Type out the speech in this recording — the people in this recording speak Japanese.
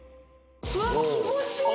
うわ気持ちいい。